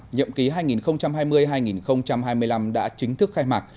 nhậm ký hai nghìn hai mươi hai nghìn hai mươi năm đã chính thức khai mạc